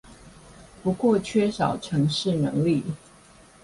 不過缺少程式能力